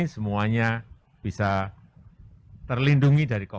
semuanya bisa terlindungi dari covid sembilan belas